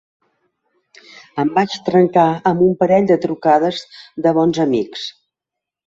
Em vaig trencar amb un parell de trucades de bons amics.